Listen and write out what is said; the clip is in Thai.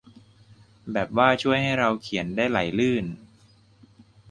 แบบว่าช่วยให้เราเขียนได้ไหลลื่น